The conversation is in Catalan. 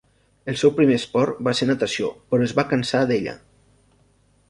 El seu primer esport va ser natació però es va cansar d'ella.